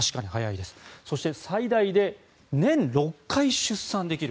そして最大で年６回出産できる。